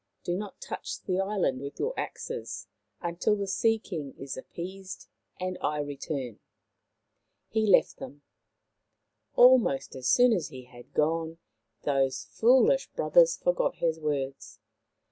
Do not touch the island with your axes until the Sea king is appeased and I return." He left them. Almost as soon as he had gone those foolish brothers forgot his words.